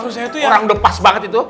orang udah pas banget itu